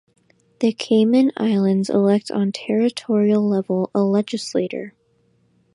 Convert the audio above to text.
The Cayman Islands elect on territorial level a legislature.